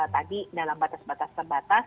tadi dalam batas batas terbatas